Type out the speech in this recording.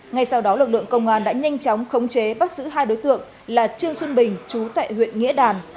ngay sau đó lực lượng công an đã nhanh chóng khống chế bắt giữ hai đối tượng là trương xuân bình chú tại huyện nghĩa đàn